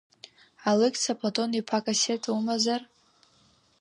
Алықьса Платон-иԥа, акассета умазар?